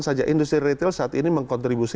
saja industri retail saat ini mengkontribusi